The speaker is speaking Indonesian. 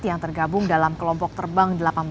yang tergabung dalam kelompok terbang delapan belas